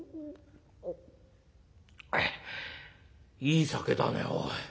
「いい酒だねおい。